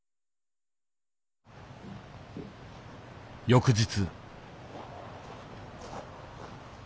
翌日。